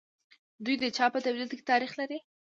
دوی د چای په تولید کې تاریخ لري.